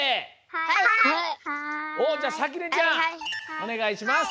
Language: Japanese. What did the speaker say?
おねがいします！